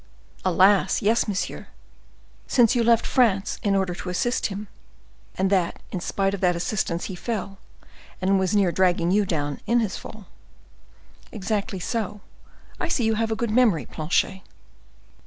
"Alas! yes, monsieur, since you left France in order to assist him, and that, in spite of that assistance, he fell, and was near dragging you down in his fall." "Exactly so; I see you have a good memory, Planchet."